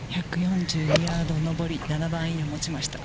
１４２ヤード上り、７番アイアンを持ちました。